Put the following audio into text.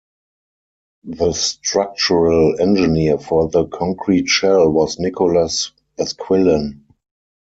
The structural engineer for the concrete shell was Nicolas Esquillan.